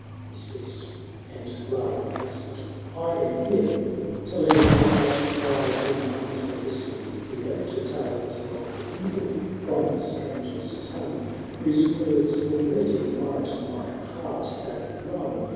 He ceased — and Lara answered, " I am here To lend at thy demand a listening ear To tales of evil from a stranger's tongue, 690 Whose words already might my heart have wrung.